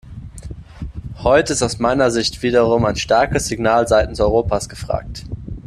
Heute ist aus meiner Sicht wiederum ein starkes Signal seitens Europas gefragt.